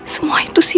semua itu sia sia